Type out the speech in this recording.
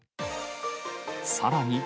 さらに